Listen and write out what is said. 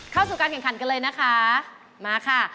เข้าสู่การแข่งขันกันเลยนะคะมาค่ะ